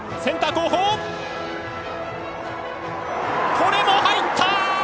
これも入った！